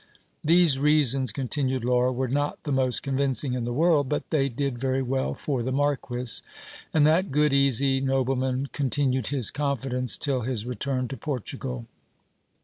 These reasons, continued Laura, were not the most convincing in the world, but they did very well for the marquis ; and that good, easy nobleman conti nued his confidence till his return to Portugal.